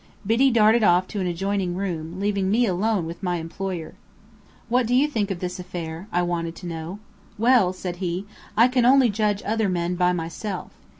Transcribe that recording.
Biddy darted off to an adjoining room, leaving me alone with my employer. "What do you think of this affair?" I wanted to know. "Well," said he, "I can only judge other men by myself.